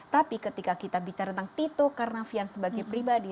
tapi ketika kita bicara tentang tito karnavian sebagai pribadi